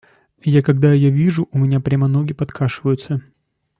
Я когда ее вижу, у меня прямо ноги подкашиваются.